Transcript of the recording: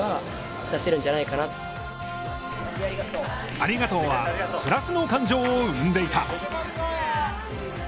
「ありがとう」はプラスの感情を生んでいた。